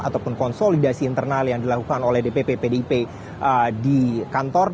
ataupun konsolidasi internal yang dilakukan oleh dpp pdip di kantor